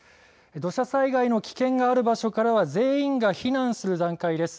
土砂災害の危険がある場所からは全員が避難する段階です。